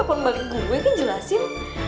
panggil balik gue kan jelasin